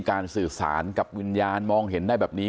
สื่อสารกับวิญญาณมองเห็นได้แบบนี้